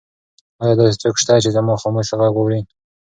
ایا داسې څوک شته چې زما خاموشه غږ واوري؟